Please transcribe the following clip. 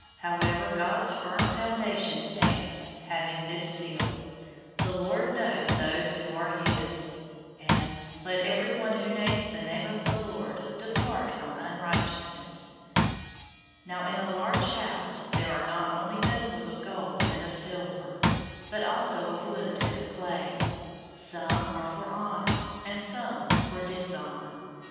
002:019 However God's firm foundation stands, having this seal, "The Lord knows those who are his,"{Numbers 16:5} and, "Let every one who names the name of the Lord{TR reads "Christ" instead of "the Lord"} depart from unrighteousness." 002:020 Now in a large house there are not only vessels of gold and of silver, but also of wood and of clay. Some are for honor, and some for dishonor.